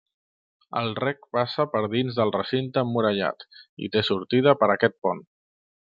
El rec passa per dins el recinte emmurallat i té sortida per aquest pont.